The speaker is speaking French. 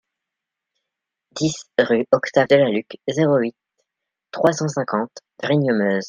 dix rue Octave Delalucque, zéro huit, trois cent cinquante, Vrigne-Meuse